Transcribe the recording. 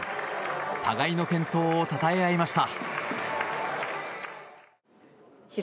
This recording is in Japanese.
互いの健闘をたたえ合いました。